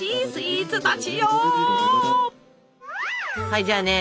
はいじゃあね